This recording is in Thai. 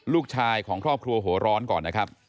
ลูกชายของครอบครัวหัวร้อนก่อนนะครับ